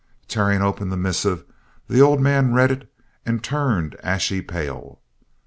Tearing open the missive, the old man read it and turned ashy pale.